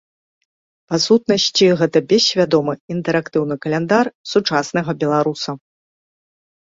Па сутнасці гэта бессвядомы, інтэрактыўны каляндар сучаснага беларуса.